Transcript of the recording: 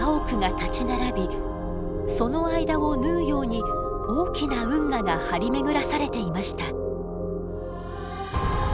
その間を縫うように大きな運河が張り巡らされていました。